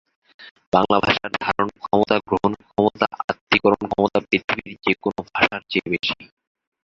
বাংলা ভাষার ধারণক্ষমতা, গ্রহণক্ষমতা, আত্তীকরণ ক্ষমতা পৃথিবীর যেকোনো ভাষার চেয়ে বেশি।